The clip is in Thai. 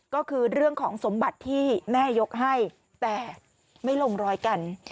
ก็คือเรื่องของสมบัติที่แม่ยกให้แต่ไม่ลงรอยกัน